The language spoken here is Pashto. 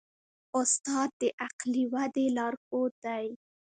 استاد د عقلي ودې لارښود دی.